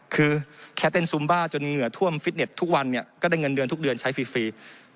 คือแค่เต้นซุมบ้าจนเหงื่อท่วมฟิตเน็ตทุกวันเนี่ยก็ได้เงินเดือนทุกเดือนใช้ฟรี